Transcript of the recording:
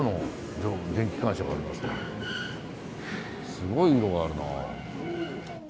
すごい色があるな。